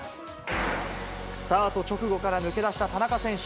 スタート直後から抜け出した田中選手。